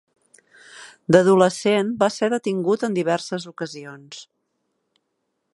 D'adolescent va ser detingut en diverses ocasions.